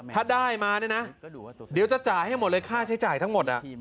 ถ้าได้มาเนี่ยนะเดี๋ยวจะจ่ายให้หมดเลยค่าใช้จ่ายทั้งหมด